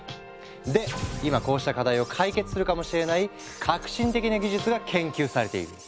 で今こうした課題を解決するかもしれない革新的な技術が研究されている。